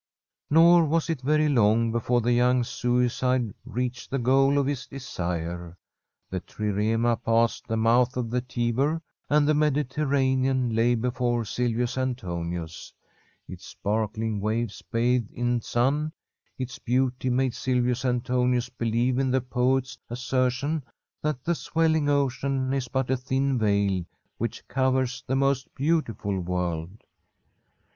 Nor was it very long before the young suicide reached the goal of his desire. The trirema passed the mouth of the Tiber, and the Mediter ranean lay before Silvius Antonius, its sparkling waves bathed in sun. Its beauty made Silvius Antonius believe in the poet's assertion that the swelling ocean is but a thin veil which covers the most beautiful world.